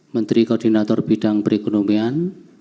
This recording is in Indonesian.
menteri koordinator bidang perekonomian